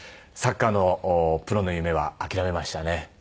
サッカーのプロの夢は諦めましたね。